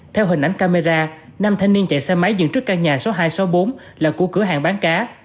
theo hình ảnh camera nam thanh niên chạy xe máy dựng trước căn nhà số hai số bốn là của cửa hàng bán cá